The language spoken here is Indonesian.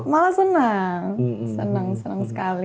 malah senang senang senang sekali